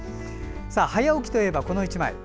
早起きといえば、この１枚。